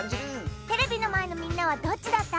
テレビのまえのみんなはどっちだった？